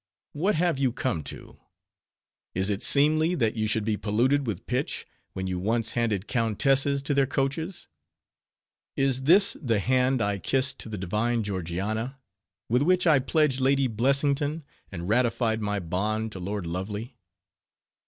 what have you come to? Is it seemly, that you should be polluted with pitch, when you once handed countesses to their coaches? Is this the hand I kissed to the divine Georgiana? with which I pledged Lady Blessington, and ratified my bond to Lord Lovely?